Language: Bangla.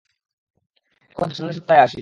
এখন যা, সামনের সপ্তাহে আসিস।